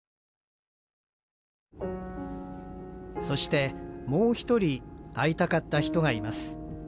そしてもう一人会いたかった人がいます。